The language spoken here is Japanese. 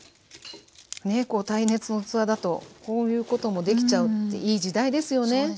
耐熱の器だとこういうこともできちゃうっていい時代ですよね。